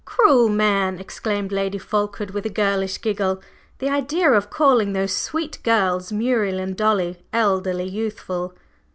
"Cruel man!" exclaimed Lady Fulkeward with a girlish giggle. "The idea of calling those sweet girls, Muriel and Dolly, 'elderly youthful!